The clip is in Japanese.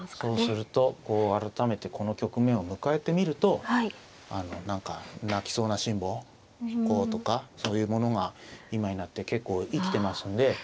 そうすると改めてこの局面を迎えてみるとあの何か泣きそうな辛抱こうとかそういうものが今になって結構生きてますんで。